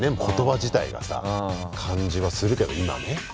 言葉自体がさ感じはするけど今ね。